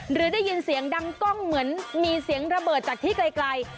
หรือได้ยินเสียงดังกล้องเหมือนมีเสียงระเบิดจากที่ไกล